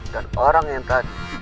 dan orang yang tadi